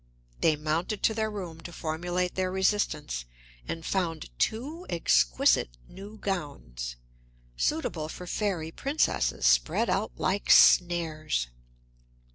They mounted to their room to formulate their resistance, and found two exquisite new gowns, suitable for fairy princesses, spread out like snares.